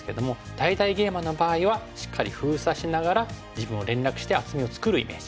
大々ゲイマの場合はしっかり封鎖しながら自分を連絡して厚みを作るイメージ。